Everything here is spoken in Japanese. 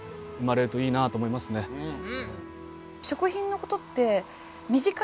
うん。